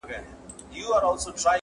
په هر پوځ کي برتۍ سوي یو پلټن یو -